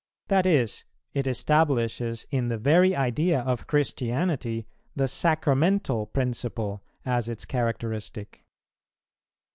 That is, it establishes in the very idea of Christianity the sacramental principle as its characteristic.